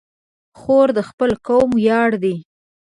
خور د خپل قوم ویاړ ده.